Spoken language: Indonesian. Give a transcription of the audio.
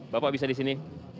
bapak bisa di sini